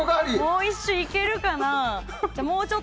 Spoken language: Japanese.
もう１周いけるかな。